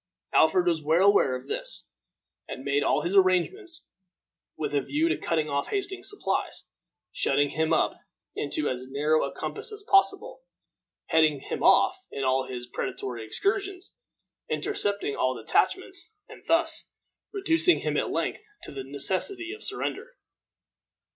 Alfred was well aware of this, and made all his arrangements with a view to cutting off Hastings's supplies, shutting him up into as narrow a compass as possible, heading him off in all his predatory excursions, intercepting all detachments, and thus reducing him at length to the necessity of surrender.